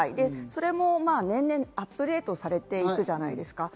それも年々アップデートされていくじゃないですか。